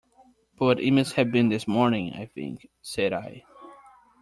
"But it must have been this morning, I think," said I.